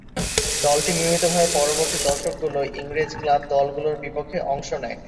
দলটি নিয়মিতভাবে পরবর্তী দশকগুলোয় ইংরেজ ক্লাব দলগুলোর বিপক্ষে অংশ নেয়।